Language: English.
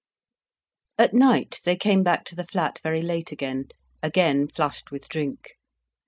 At night they came back to the flat very late again, again flushed with drink.